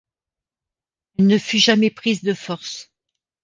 Elle ne fut jamais prise de force.